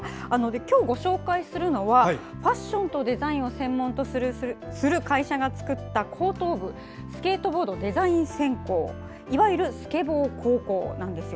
今日紹介するのはファッションとデザインを専門とする会社が作った高等部スケートボード＆デザイン専攻いわゆるスケボー高校なんですよ。